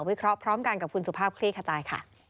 เคราะห์พร้อมกันกับคุณสุภาพคลี่ขจายค่ะ